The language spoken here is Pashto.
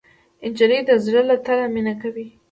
نجلۍ د زړه له تله مینه کوي.